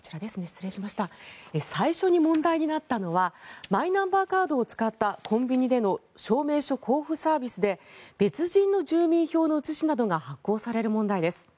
最初に問題になったのはマイナンバーカードを使ったコンビニでの証明書交付サービスで別人の住民票の写しなどが発行される問題です。